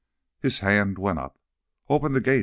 His hand went up. "Open the gate!"